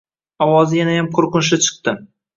Ovozi yanayam qo`rqinchli chiqdi